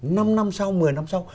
năm năm sau một mươi năm sau